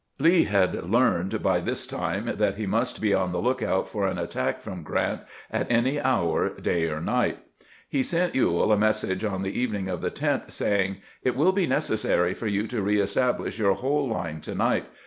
Lee had learned.by this time that he must be on the lookout for an attack from Grant at any hour, day or night. He sent Ewell a message on the evening of the 10th, saying :" It will be necessary for you to reestab lish your whole line to night.